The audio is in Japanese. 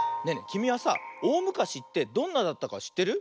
きみはさおおむかしってどんなだったかしってる？